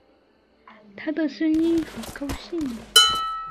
她的声音好高兴